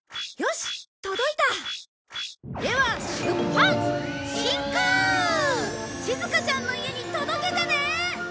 しずかちゃんの家に届けてね！